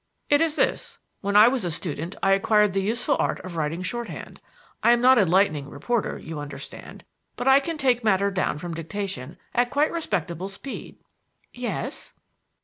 "It is this: When I was a student I acquired the useful art of writing shorthand. I am not a lightning reporter, you understand, but I can take matter down from dictation at quite respectable speed." "Yes."